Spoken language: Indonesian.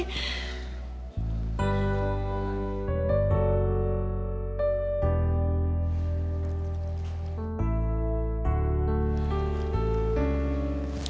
udah udah udah